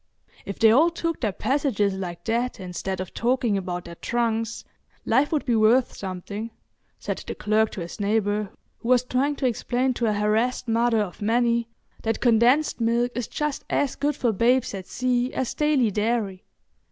"If they all took their passages like that instead of talking about their trunks, life would be worth something," said the clerk to his neighbour, who was trying to explain to a harassed mother of many that condensed milk is just as good for babes at sea as daily dairy.